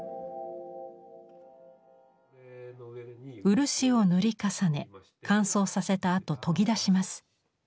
漆を塗り重ね乾燥させたあと研ぎ出します。